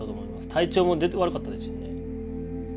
体調も悪かったですしね。